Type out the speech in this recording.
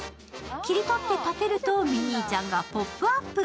切り取って立てるとミニーちゃんがポップＵＰ！。